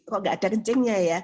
kok tidak ada kencingnya